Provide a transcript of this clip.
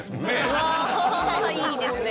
いいですね。